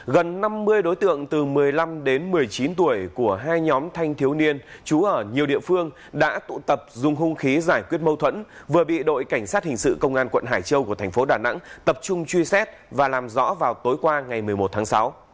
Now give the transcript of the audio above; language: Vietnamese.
gần năm mươi đối tượng từ một mươi năm đến một mươi chín tuổi của hai nhóm thanh thiếu niên trú ở nhiều địa phương đã tụ tập dùng hung khí giải quyết mâu thuẫn vừa bị đội cảnh sát hình sự công an quận hải châu của thành phố đà nẵng tập trung truy xét và làm rõ vào tối qua ngày một mươi một tháng sáu